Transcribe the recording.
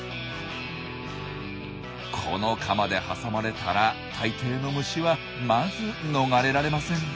このカマで挟まれたら大抵の虫はまず逃れられません。